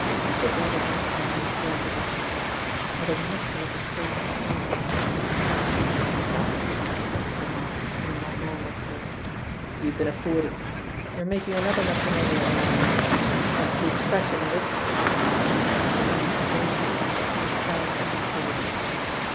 Mr. Brabazon's eyes were on the desk. Not a muscle of his face moved. "Besides," said Mr. Marl in a more normal tone, "you can afford it. You're making another matrimonial alliance that's the expression, ain't it?" The banker raised his eyes and frowned at his visitor.